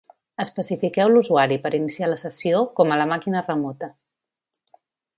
Especifiqueu l'usuari per iniciar la sessió com a la màquina remota.